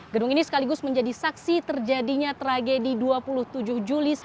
gedung ini sekaligus menjadi saksi terjadinya tragedi dua puluh tujuh juli